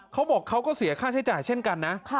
เขาบอกเขาก็เสียค่าใช้จ่ายเช่นกันนะ